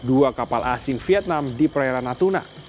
dua kapal asing vietnam di perairan natuna